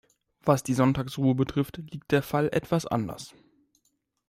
Was die Sonntagsruhe betrifft, liegt der Fall etwas anders.